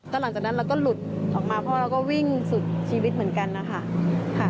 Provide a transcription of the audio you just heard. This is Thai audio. แล้วหลังจากนั้นเราก็หลุดออกมาเพราะเราก็วิ่งสุดชีวิตเหมือนกันนะคะ